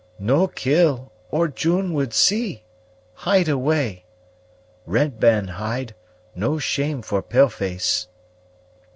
"No kill, or June would see. Hide away! Red man hide; no shame for pale face."